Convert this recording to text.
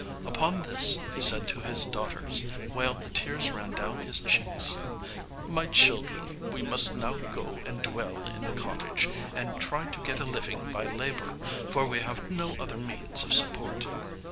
Upon this he said to his daughters, while the tears ran down his cheeks, "My children, we must now go and dwell in the cottage, and try to get a living by labor, for we have no other means of support."